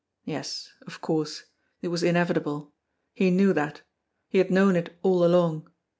Yes, of course ! It was inevitable ! He knew that. He had known it all along.